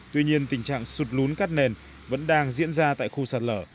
tuy nhiên tình trạng sụt lún cắt nền vẫn đang diễn ra tại khu sạt lở